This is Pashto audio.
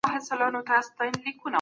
سازمانونه کله د فردي مالکیت حق ورکوي؟